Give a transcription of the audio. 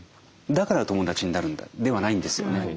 だから友達になるんだ」ではないんですよね。